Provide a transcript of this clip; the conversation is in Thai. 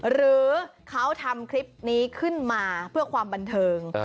หรือเขาทำคลิปนี้ขึ้นมาเพื่อความบันเทิง